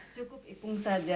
cukup ipung saja